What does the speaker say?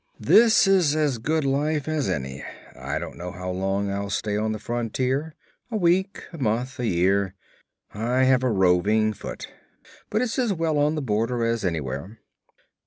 'This is as good life as any. I don't know how long I'll stay on the frontier; a week, a month, a year. I have a roving foot. But it's as well on the border as anywhere.'